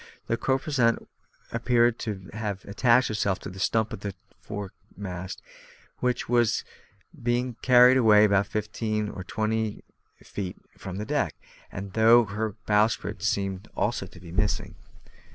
The corposant appeared to have attached itself to the stump of her foremast, which had been carried away about fifteen or twenty feet from the deck, and I thought her bowsprit seemed also to be missing.